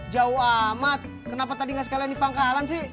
jauh amat kenapa tadi nggak sekalian di pangkalan sih